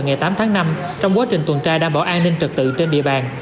ngày tám tháng năm trong quá trình tuần tra đảm bảo an ninh trật tự trên địa bàn